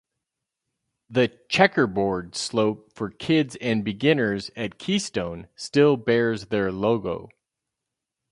The "Checkerboard" slope for kids and beginners at Keystone still bears their logo.